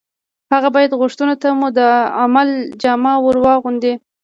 هغه باید غوښتنو ته مو د عمل جامه ور واغوندي